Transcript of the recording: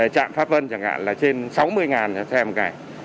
trạm pháp vân chẳng hạn là trên sáu mươi xe một ngày